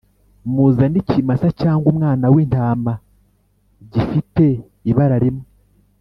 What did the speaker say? Muzane ikimasa cyangwa umwana w’intama gifite ibara rimwe